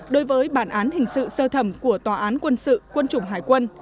đối với bản án hình sự sơ thẩm của tòa án quân sự quân chủng hải quân